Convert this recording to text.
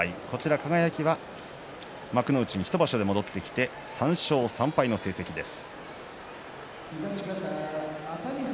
輝は幕内に１場所で戻ってきて３勝３敗の成績です。